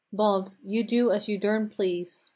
Bob, you do as you durn please.